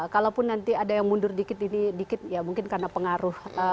kalaupun nanti ada yang mundur dikit ini dikit ya mungkin karena pengaruh